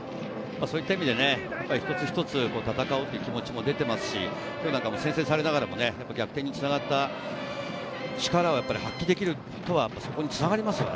そういった意味で一つ一つ戦うっていう気持ちも出てますし、先制されながらも逆転に繋がった力をやっぱり発揮できるってことはつながりますよね。